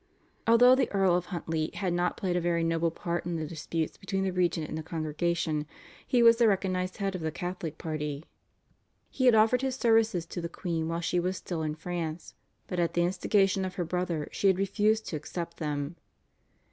Although the Earl of Huntly had not played a very noble part in the disputes between the regent and the Congregation, he was the recognised head of the Catholic party. He had offered his services to the queen while she was still in France, but at the instigation of her brother she had refused to accept them.